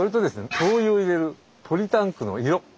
灯油を入れるポリタンクの色。